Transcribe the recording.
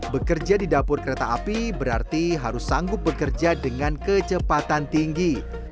bekerja di dapur kereta api berarti harus sanggup bekerja dengan kecepatan tinggi